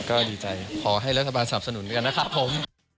ก็ดีใจขอให้รัฐบาลสนับสนุนกันนะครับผม